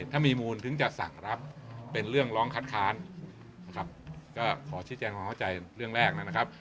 ถ้ามีมูลถึงจะสั่งรับเป็นเรื่องร้องคัดค้านนะครับก็ขอชี้แจงความเข้าใจเรื่องแรกนะครับ